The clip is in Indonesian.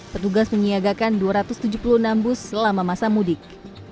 petugas menyiagakan dua ratus tujuh puluh enam bus selama masa mudik